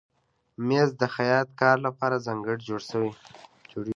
مېز د خیاط کار لپاره ځانګړی جوړېږي.